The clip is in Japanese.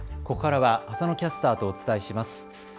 ここからは浅野キャスターとお伝えします。